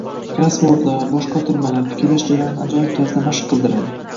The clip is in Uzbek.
Krossvordlar, boshqotirmalar fikrlash jarayonini ajoyib tarzda mashq qildiradi.